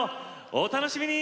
お楽しみに！